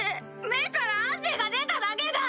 目から汗が出ただけだ！